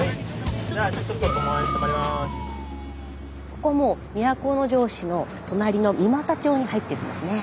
ここもう都城市の隣の三股町に入ってるんですね。